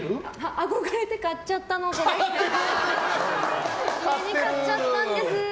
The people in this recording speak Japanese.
憧れて買っちゃったんです。